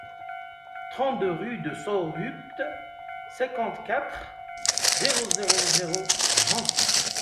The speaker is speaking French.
trente-deux rue de Saurupt, cinquante-quatre, zéro zéro zéro, Nancy